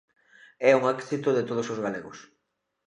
É un éxito de todos os galegos.